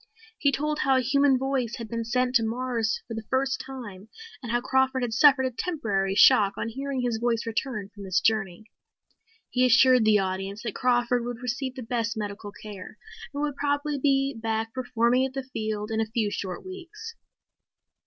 He told how a human voice had been sent to Mars for the first time and how Crawford had suffered a temporary shock on hearing his voice return from this journey. He assured the audience that Crawford would receive the best medical care and would probably be back performing at the field in a few short weeks.